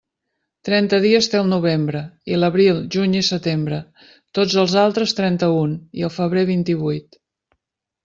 Trenta dies té el novembre, i l'abril, juny i setembre; tots els altres trenta-un i el febrer vint-i-vuit.